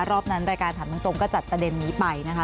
รอบนั้นรายการถามตรงก็จัดประเด็นนี้ไปนะคะ